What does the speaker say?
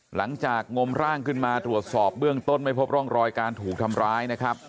งมร่างขึ้นมาตรวจสอบเบื้องต้นไม่พบร่องรอยการถูกทำร้ายนะครับ